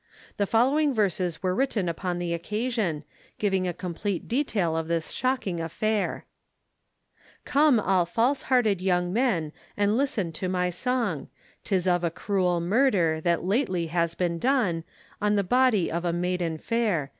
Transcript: The following verses are written upon the occasion, giving a complete detail of this shocking affair: Come all false hearted young men And listen to my song, 'Tis of a cruel murder, That lately has been done On the body of a maiden fair.